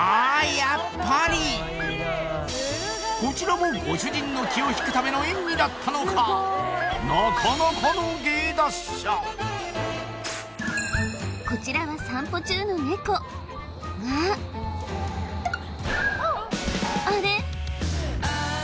こちらもご主人の気をひくための演技だったのかなかなかの芸達者こちらは散歩中のネコがあれ？